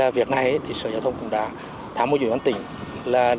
việc này sở giao thông vận tải cũng đã tham mưu cho ủy ban nhân dân tỉnh